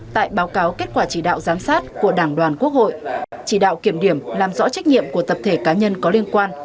tại báo cáo kết quả chỉ đạo giám sát của đảng đoàn quốc hội chỉ đạo kiểm điểm làm rõ trách nhiệm của tập thể cá nhân có liên quan